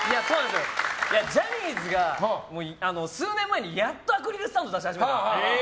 ジャニーズが数年前にやっとアクリルスタンド出し始めたんです。